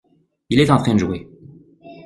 Il est en train de jouer.